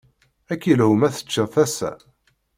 Ad k-yelhu ma teččiḍ tasa?